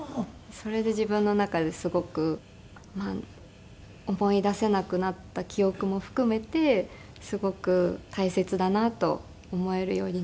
それで自分の中ですごく思い出せなくなった記憶も含めてすごく大切だなと思えるようになって。